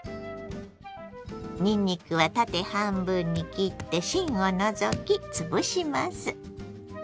にんにくは縦半分に切って芯を除き潰します。